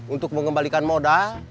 untuk mengembalikan moda